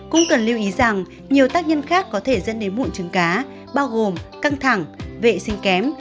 cũng cần lưu ý rằng nhiều tác nhân khác có thể dẫn đến bụi trứng cá bao gồm căng thẳng vệ sinh kém